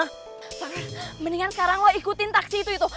farhan mendingan sekarang lo ikutin taksi itu itu